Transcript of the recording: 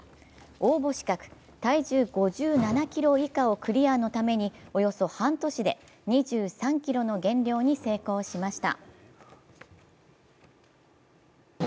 応募資格、体重５７ｋｇ以下をクリアのためにおよそ半年で２３ｋｇの減量に成功しました。